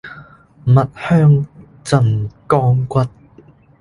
蜜香鎮江骨